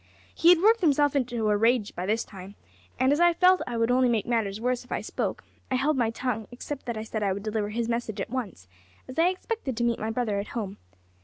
He had worked himself up into a rage by this time, and as I felt I would only make matters worse if I spoke, I held my tongue; except that I said I would deliver his message at once, as I expected to meet my brother at home.